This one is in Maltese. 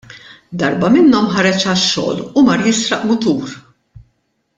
Darba minnhom ħareġ għax-xogħol u mar jisraq mutur.